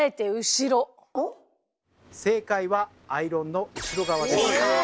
正解はアイロンの後ろ側です。